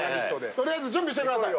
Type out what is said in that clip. とりあえず準備してください。